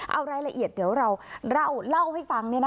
เอารายละเอียดเดี๋ยวเราเล่าให้ฟัง